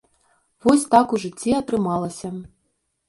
Вось так у жыцці атрымалася.